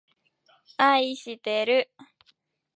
あいしてる